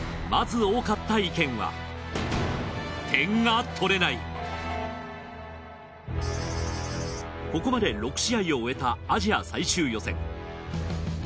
まず多かった意見はここまで６試合を終えたアジア最終予選。